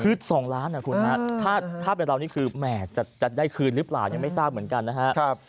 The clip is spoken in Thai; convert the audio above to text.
คือ๒ล้านนะคุณฮะถ้าเป็นเรานี่คือแหมจะได้คืนหรือเปล่ายังไม่ทราบเหมือนกันนะครับ